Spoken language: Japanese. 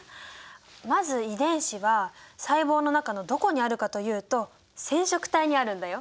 まず遺伝子は細胞の中のどこにあるかというと染色体にあるんだよ。